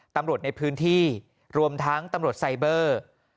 ตำรวจในพื้นที่รวมทั้งตำรวจไซเบอร์